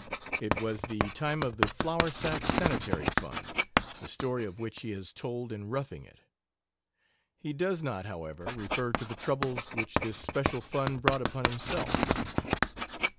It was the time of The Flour Sack Sanitary Fund, the story of which he has told in Roughing It. He does not, however, refer to the troubles which this special fund brought upon himself.